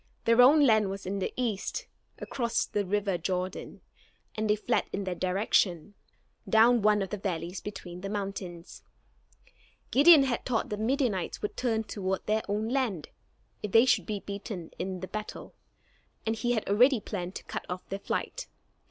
Their own land was in the east, across the river Jordan, and they fled in that direction, down one of the valleys between the mountains. Gideon had thought that the Midianites would turn toward their own land, if they should be beaten in the battle, and he had already planned to cut off their flight.